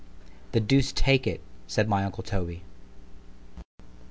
—— ——The duce take it! said my uncle _Toby.